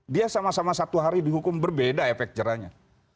dia sama sama satu hari dihukum berbeda efek jerahnya